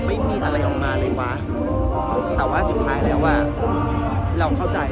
ไม่มีอะไรออกมาเลยวะแต่ว่าสุดท้ายแล้วอ่ะเราเข้าใจ